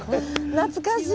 懐かしい。